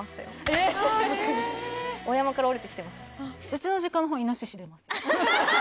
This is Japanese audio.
ええお山から下りてきてました